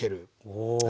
お！